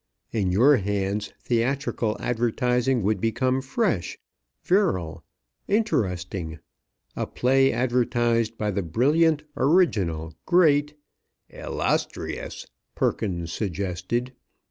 In your hands theatrical advertising would become fresh, virile, interesting. A play advertised by the brilliant, original, great " "Illustrious," Perkins suggested.